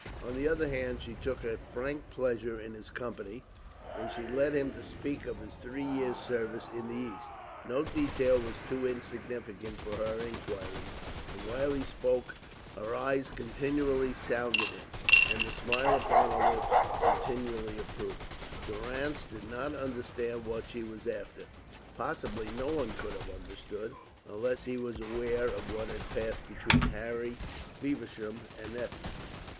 On the other hand, she took a frank pleasure in his company, and she led him to speak of his three years' service in the East. No detail was too insignificant for her inquiries, and while he spoke her eyes continually sounded him, and the smile upon her lips continually approved. Durrance did not understand what she was after. Possibly no one could have understood unless he was aware of what had passed between Harry Feversham and Ethne.